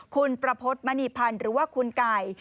คุณประพฤติมณีพันธ์หรือว่าคุณไก่